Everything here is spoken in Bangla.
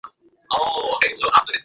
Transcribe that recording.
বিয়ে করতে চায়।